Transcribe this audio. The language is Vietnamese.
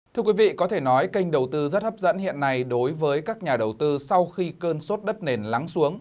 thưa quý vị có thể nói kênh đầu tư rất hấp dẫn hiện nay đối với các nhà đầu tư sau khi cơn sốt đất nền lắng xuống